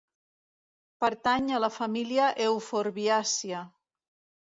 Pertany a la família euforbiàcia.